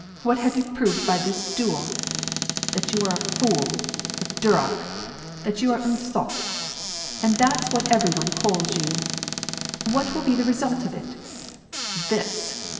What have you proved by this duel ? That you are a fool, a durak, that you are un sot ! And that's what every one calls you ! What will be the result of it ? This